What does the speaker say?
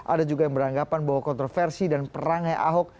ada juga yang beranggapan bahwa kontroversi dan perangnya ahok